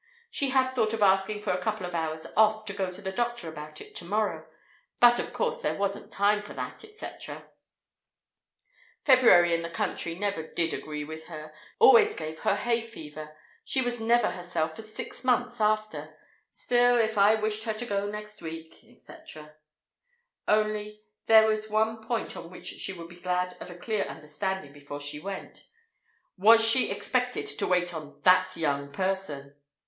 She had thought of asking for a couple of hours off, to go to the doctor about it to morrow; but of course, if there wasn't time for that, etc.—— February in the country never did agree with her; always gave her hay fever, she was never herself for six months after; still, if I wished her to go next week, etc.—— Only, there was one point on which she would be glad of a clear understanding before she went: _was she expected to wait on that young person?